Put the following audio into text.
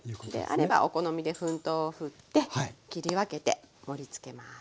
あればお好みで粉糖をふって切り分けて盛りつけます。